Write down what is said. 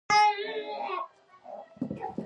د آسونو د پښو دربا او د درنو توپونو غنجا راتله.